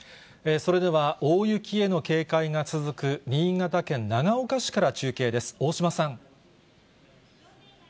それでは、大雪への警戒が続く新潟県長岡市から中継です。